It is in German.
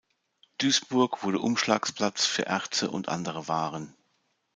Duisburg wurde Umschlagplatz für Erze und andere Waren.